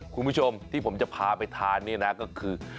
คุณผู้ชมที่ผมจะพาไปทานนี่นะก็คือ